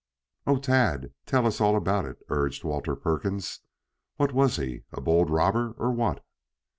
"O Tad, tell us all about it," urged Walter Perkins. "What was he, a bold robber or what?"